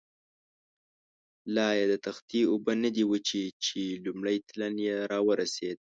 لایې د تختې اوبه نه دي وچې، چې لومړی تلین یې را ورسېد.